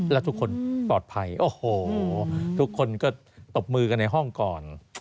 แล้วทุกคนปลอดภัยโอ้โหทุกคนก็ตบมือกันในห้องก่อน